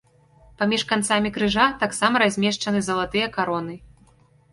Паміж канцамі крыжа таксама размешчаны залатыя кароны.